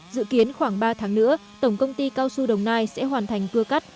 dự kiến khoảng ba tháng nữa tổng công ty cao su đồng nai sẽ hoàn thành cưa cắt